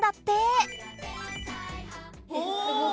お！